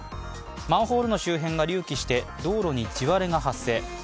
マンホールの周辺が隆起して道路に地割れが発生。